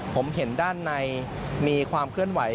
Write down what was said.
ผมเห็นด้านในมีความเคลื่อนไหว